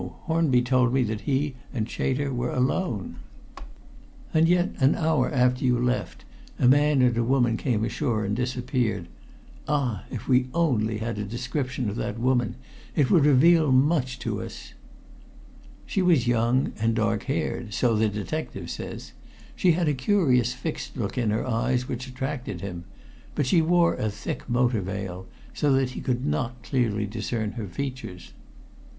Hornby told me that he and Chater were alone." "And yet an hour after you left a man and a woman came ashore and disappeared! Ah! If we only had a description of that woman it would reveal much to us." "She was young and dark haired, so the detective says. She had a curious fixed look in her eyes which attracted him, but she wore a thick motor veil, so that he could not clearly discern her features."